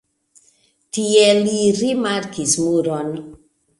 Tie li rimarkis muron.